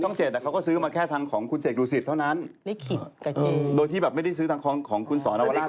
ช่องเจชเขาก็ซื้อมาแค่ชิคกี้พายตากูสิทธิ์เท่านะและที่แบบไม่ได้ซื้อชิคกี้พายของคุณสอนรัวรลาศ